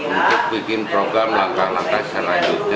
untuk bikin program langkah langkah selanjutnya